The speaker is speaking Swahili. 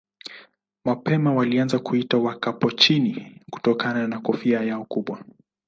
Mapema walianza kuitwa Wakapuchini kutokana na kofia yao kubwa.